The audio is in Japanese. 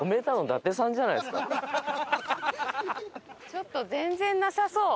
ちょっと全然なさそう。